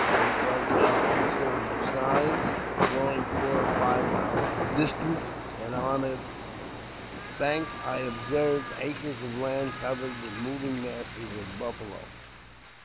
It was of con siderable size, flowing four or five miles distant, and on its banks I observed acres of land covered with moving masses of buffalo.